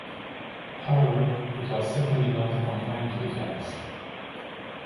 However, it was certainly not confined to the Fens.